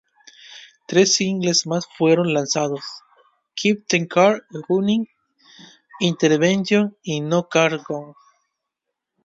Tres singles más fueron lanzados: "Keep The Car Running", "Intervention" y "No Cars Go".